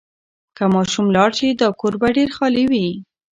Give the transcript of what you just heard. که ماشوم لاړ شي، دا کور به ډېر خالي وي.